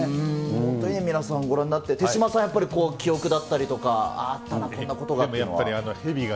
本当に皆さん、ご覧になって、手嶋さん、やっぱり記憶だったりとか、あったな、こんなことがっていうのが。